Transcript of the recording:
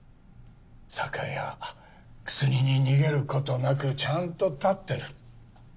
酒や薬に逃げることなくちゃんと立ってる。